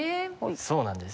そうなんです。